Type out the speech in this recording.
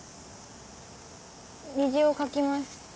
虹を描きます。